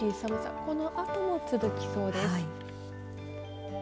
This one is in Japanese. このあとも続きそうです。